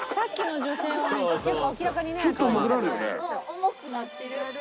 重くなってる。